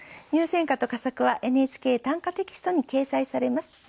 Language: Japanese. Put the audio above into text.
入選歌と佳作は「ＮＨＫ短歌テキスト」に掲載されます。